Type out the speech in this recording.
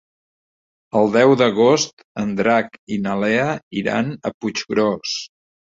El deu d'agost en Drac i na Lea iran a Puiggròs.